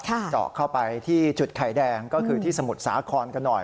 เจาะเข้าไปที่จุดไข่แดงก็คือที่สมุทรสาครกันหน่อย